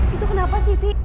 itu kenapa sih ti